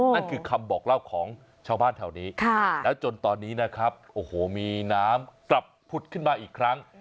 นั่นคือคำบอกเล่าของชาวบ้านแถวนี้แล้วจนตอนนี้นะครับโอ้โหมีน้ำกลับผุดขึ้นมาอีกครั้ง